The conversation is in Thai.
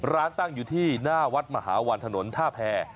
ร้านตั้งอยู่ที่หน้าวัดมหาวันถนนท่าแพร